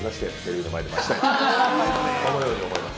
このように思います。